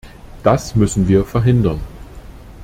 Das müssen wir verhindern.